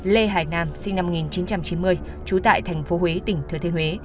lê hải nam sinh năm một nghìn chín trăm chín mươi trú tại thành phố huế tỉnh thừa thiên huế